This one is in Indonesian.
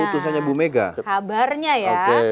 utusannya bu mega kabarnya ya